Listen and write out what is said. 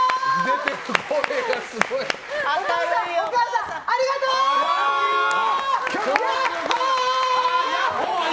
声がすごい。